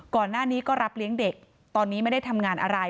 ก่อนหน้านี้ก็รับเลี้ยงเด็กตอนนี้ไม่ได้ทำงานอะไร